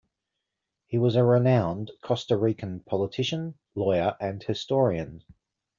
He was a renowned Costa Rican politician, lawyer, and historian.